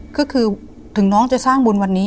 ก็คือถึงน้องจะสร้างบุญวันนี้